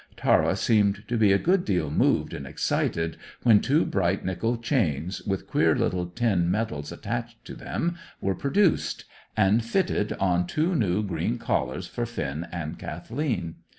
Tara seemed to be a good deal moved and excited when two bright nickel chains, with queer little tin medals attached to them, were produced, and fitted on two new green collars for Finn and Kathleen.